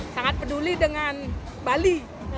sangat peduli dengan bali